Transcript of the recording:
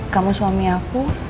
kamu suami aku